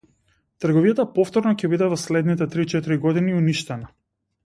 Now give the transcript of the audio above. Трговијата повторно ќе биде во следните три-четири години уништена.